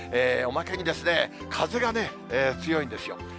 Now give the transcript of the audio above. おまけに、風が強いんですよ。